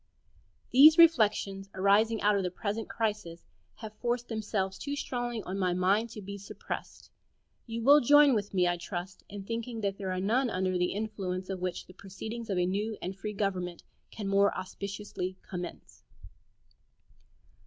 These reflections, arising out of the present crisis, have forced themselves too strongly on my mind to be suppressed. You will join with me, I trust, in thinking that there are none under the influence of which the proceedings of a new and free government can more auspiciously commence.